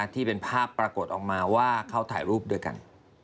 ที่เป็นภาพปรากฏออกมาว่าเขาถ่ายรูปด้วยกัน